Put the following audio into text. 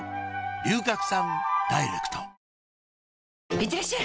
いってらっしゃい！